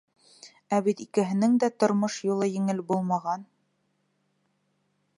Ә бит икеһенең дә тормош юлы еңел булмаған...